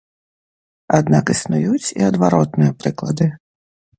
Аднак існуюць і адваротныя прыклады.